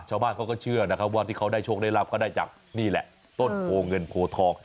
ชาวบ้านเขาก็เชื่อนะครับว่าที่เขาได้โชคได้รับก็ได้จากนี่แหละต้นโพเงินโพทอง